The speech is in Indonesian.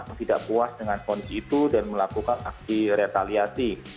yang tidak puas dengan kondisi itu dan melakukan aksi retaliasi